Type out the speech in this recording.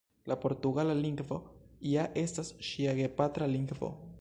La portugala lingvo ja estas ŝia gepatra lingvo.